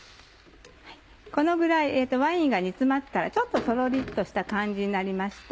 このぐらいワインが煮詰まったらちょっとトロリとした感じになりました。